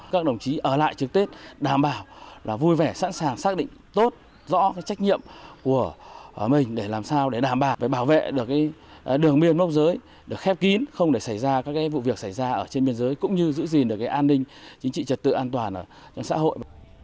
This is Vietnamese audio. các đồng chí ở lại trực tết đảm bảo là vui vẻ sẵn sàng xác định tốt rõ trách nhiệm của mình để làm sao để đảm bảo bảo vệ được đường biên mốc giới được khép kín không để xảy ra các vụ việc xảy ra ở trên biên giới cũng như giữ gìn được cái an ninh chính trị trật tự an toàn trong xã hội